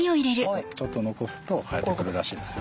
ちょっと残すと生えてくるらしいですよ。